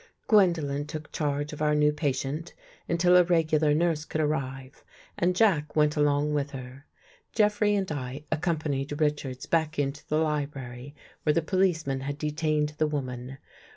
Gwendolen took charge of our new patient until a regular nurse could arrive and Jack went along with her. Jeffrey and I accompanied Richards back into the library, where the policeman had detained the woman.